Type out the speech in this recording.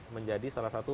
menjadi salah satu